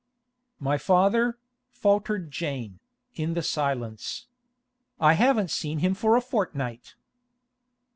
'My father,' faltered Jane, in the silence. 'I haven't seen him for a fortnight.